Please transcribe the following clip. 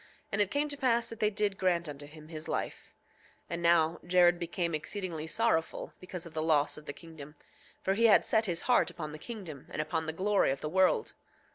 And it came to pass that they did grant unto him his life. 8:7 And now Jared became exceedingly sorrowful because of the loss of the kingdom, for he had set his heart upon the kingdom and upon the glory of the world.